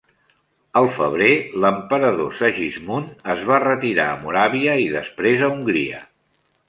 Al febrer, l'emperador Sigismund es va retirar a Moràvia i després a Hongria.